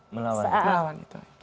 melawan pertama menginjaknya itu